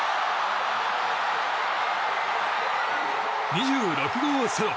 ２６号ソロ。